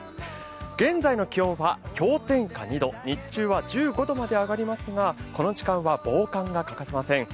現在の気温は氷点下２度日中は１５度まで上がりますがこの時間は防寒が欠かせません。